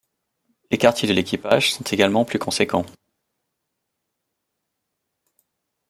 Les quartiers de l'équipage sont également plus conséquents.